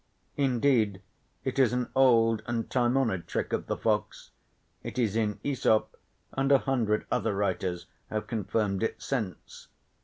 Indeed it is an old and time honoured trick of the fox. It is in Aesop and a hundred other writers have confirmed it since.